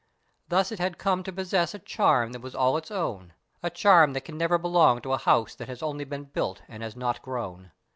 Thus it had come to possess a charm that was all its own, a charm that can never belong to a house that has only been built, and has not grown.